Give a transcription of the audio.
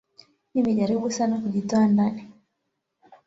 nimejaribu sana kujitoa ndani